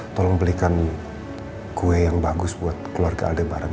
tolong belikan kue yang bagus buat keluarga adik barang